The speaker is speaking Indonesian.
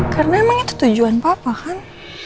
karena emang itu tujuan papa kan